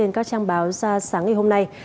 trên các trang báo ra sáng ngày hôm nay